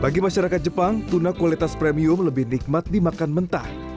bagi masyarakat jepang tuna kualitas premium lebih nikmat dimakan mentah